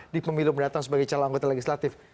di pemilu mendatang sebagai calon anggota legislatif